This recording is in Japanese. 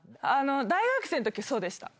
大学生のときはそうでした。